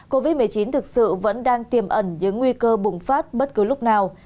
covid một mươi chín thực sự vẫn đang tiềm ẩn những nguy cơ bùng phát bất cứ lúc nào